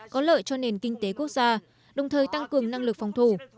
có lợi cho nền kinh tế quốc gia đồng thời tăng cường năng lực phòng thủ